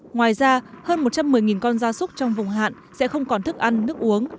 ngoài ra hơn một trăm một mươi con da súc trong vùng hạn sẽ không còn thức ăn nước uống